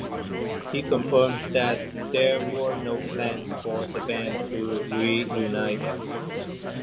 He confirmed that there were no plans for the band to reunite.